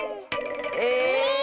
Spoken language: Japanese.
え⁉